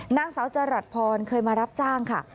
นางสาวจรัสพรเคยมารับจ้างค่ะ